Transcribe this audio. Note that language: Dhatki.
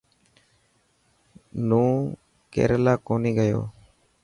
نون ڪيريلا ڪونهي گيو.